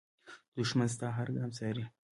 دښمن ستا هر ګام څاري